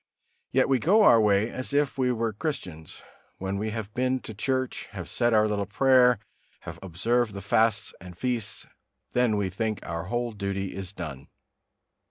Yet we go our way as if we were Christians; when we have been to church, have said our little prayer, have observed the fasts and feasts, then we think our whole duty is done.